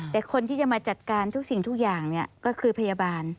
แต่คนที่จะมาจัดการทุกสิ่งทุกอย่างก็คือพยาบาล